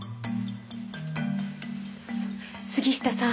杉下さん